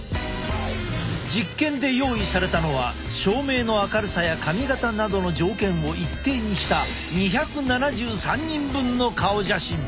実験で用意されたのは照明の明るさや髪形などの条件を一定にした２７３人分の顔写真。